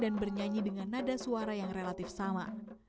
dan bernyanyi dengan nada suara yang relatif sama